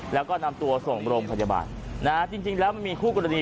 แล้วก็นำตัวส่งโรงพยาบาลนะฮะจริงแล้วมันมีคู่กรณี